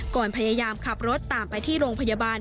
ก่อนพยายามขับรถตามไปที่โรงพยาบาล